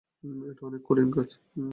এটা অনেক কঠিন কাজ!